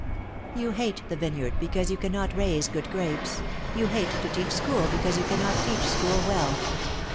You hate the vineyard because you cannot raise good grapes, you hate to teach school because you cannot teach school well.